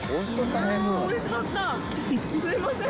すいません。